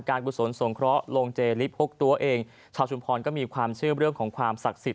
กุศลสงเคราะห์ลงเจลิฟหกตัวเองชาวชุมพรก็มีความเชื่อเรื่องของความศักดิ์สิทธิ